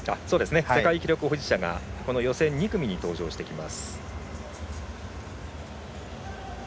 世界記録保持者が予選２組に登場してきます。